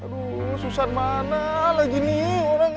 aduh susah mana lagi nih